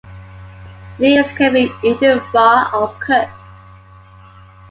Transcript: Leaves can be eaten raw or cooked.